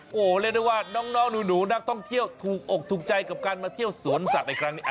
โอ้โหเรียกได้ว่าน้องหนูนักท่องเที่ยวถูกอกถูกใจกับการมาเที่ยวสวนสัตว์ในครั้งนี้